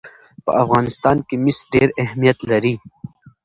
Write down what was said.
په افغانستان کې مس ډېر اهمیت لري.